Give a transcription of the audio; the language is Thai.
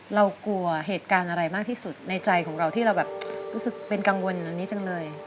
เรากลัวเหตุการณ์อะไรมากที่สุดในใจของเราที่เราแบบรู้สึกเป็นกังวลอันนี้จังเลย